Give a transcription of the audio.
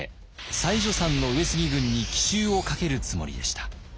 妻女山の上杉軍に奇襲をかけるつもりでした。